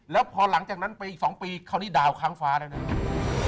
แล้วพอหลังจากนั้นไปอีก๒ปีคราวนี้ดาวค้างฟ้าแล้วนะครับ